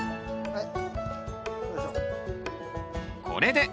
はい。